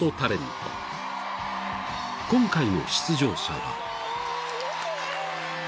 ［今回の出場者は］